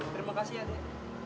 terima kasih ya dek